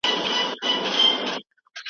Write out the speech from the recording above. د بدن بوی د منلو وړ یا نه وي.